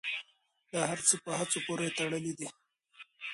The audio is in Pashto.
دا هر څه په هڅو پورې تړلي دي.